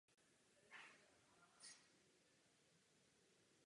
Je držitelkou magisterského titulu v oblasti poradenství.